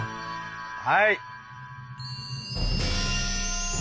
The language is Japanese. はい。